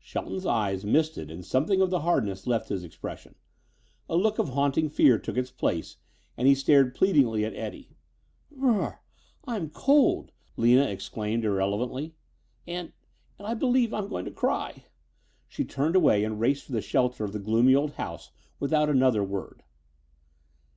Shelton's eyes misted and something of the hardness left his expression. A look of haunting fear took its place and he stared pleadingly at Eddie. "Br r! I'm cold!" Lina exclaimed irrelevantly. "And and I believe I'm going to cry." She turned away and raced for the shelter of the gloomy old house without another word.